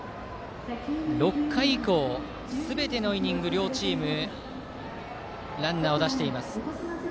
６回以降すべてのイニング両チーム、ランナー出しています。